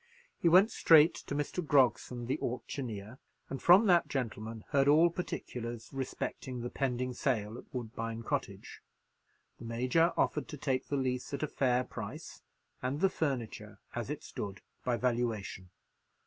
He went straight to Mr. Grogson, the auctioneer, and from that gentleman heard all particulars respecting the pending sale at Woodbine Cottage. The Major offered to take the lease at a fair price, and the furniture, as it stood, by valuation.